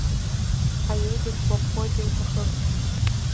Аиеи, дысгәаԥхоит, иуҭахыз?